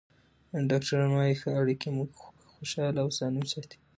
ډاکټران وايي ښه اړیکې موږ خوشحاله او سالم ساتي.